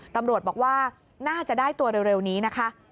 ตำรวจบอกว่าน่าจะได้ตัวเร็วนี้นะคะ